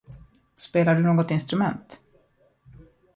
Spelar du något instrument?